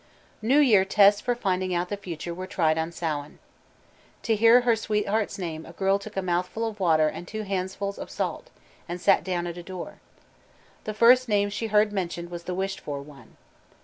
New Year tests for finding out the future were tried on Sauin. To hear her sweetheart's name a girl took a mouthful of water and two handfuls of salt, and sat down at a door. The first name she heard mentioned was the wished for one.